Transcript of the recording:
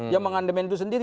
yang mengandemen itu sendiri